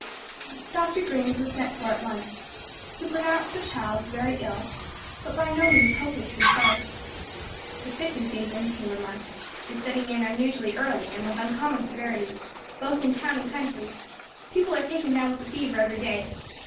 Dr. Grange was sent for at once. He pronounced the child very ill, but by no means hopelessly so. "The sickly season," he remarked, "is setting in unusually early and with uncommon severity, both in town and country; people are taken down with the fever every day.